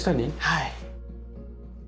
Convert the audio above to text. はい。